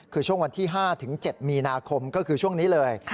คือช่วงวันที่๕ถึง๗มีนาคมก็คือช่วงนี้เลย